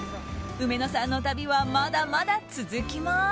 うめのさんの旅はまだまだ続きます。